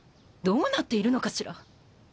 どうなっているのかしら。